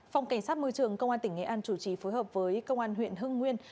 phòng cảnh sát môi trường công an tỉnh nghệ an chủ trì phối hợp với công an huyện hưng nguyên